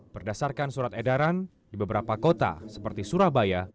berdasarkan surat edaran di beberapa kota seperti surabaya